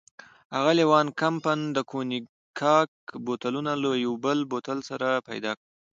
اغلې وان کمپن د کونیګاک بوتلونه له یو بل بوتل سره پيدا کړل.